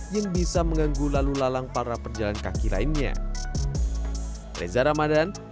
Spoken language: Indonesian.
yang bisa mengganggu lalu lalang para perjalan kaki lainnya